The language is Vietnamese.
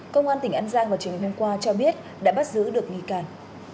công an tỉnh an giang vào chiều ngày hôm qua cho biết đã bắt giữ được nghi can